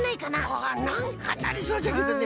あなんかなりそうじゃけどね。